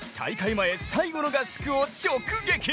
前最後の合宿を直撃。